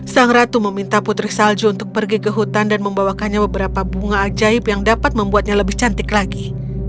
sang ratu meminta putri salju untuk pergi ke hutan dan membawakannya beberapa bunga ajaib yang dapat membuatnya lebih cantik lagi